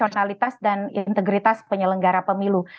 nah ini adalah hal yang harus dihadirkan oleh integritas penyelenggara pemilu